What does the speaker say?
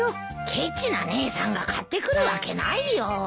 ケチな姉さんが買ってくるわけないよ。